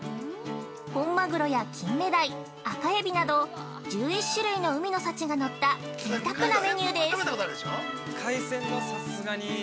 本マグロやキンメダイアカエビなど１１種類の海の幸が載ったぜいたくなメニューです。